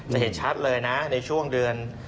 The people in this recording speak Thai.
เห็นชัดเลยนะในช่วงเดือน